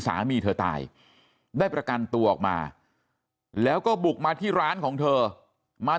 สามีเธอตายได้ประกันตัวออกมาแล้วก็บุกมาที่ร้านของเธอมา